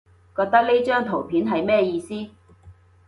覺得呢張圖片係咩意思？